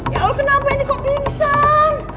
ya allah kenapa ini kok pingsan